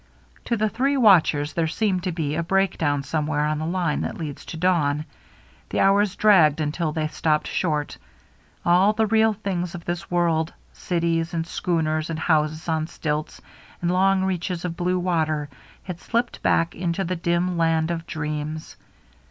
To the three watchers there seemed to be a breakdown somewhere on the line that leads to dawn. The hours dragged until they stopped short. All the real things of this world, cities and schooners and houses on stilts and long reaches of blue water, had slipped back into the dim land of dreams.